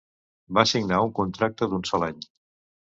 Va signar un contracte d'un sol any.